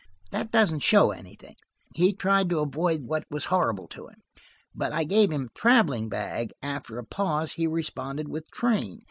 That doesn't show anything. He tried to avoid what was horrible to him. "But I gave him 'traveling bag;' after a pause, he responded with 'train.'